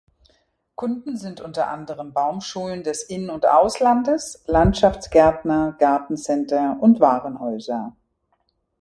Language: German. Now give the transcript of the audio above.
Kunden sind unter anderem Baumschulen des In- und Auslandes, Landschaftsgärtner, Gartencenter und Warenhäuser.